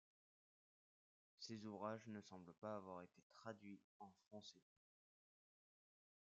Ces ouvrages ne semblent pas avoir été traduits en français.